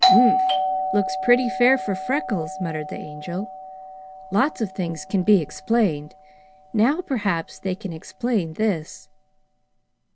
"Umph! Looks pretty fair for Freckles," muttered the Angel. "Lots of things can be explained; now perhaps they can explain this."